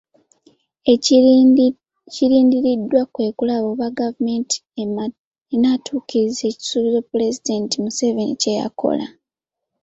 Ekirindiriddwa kwe kulaba oba gavumenti enaatuukiriza ekisuuubizo Pulezidenti Museveni kye yakola .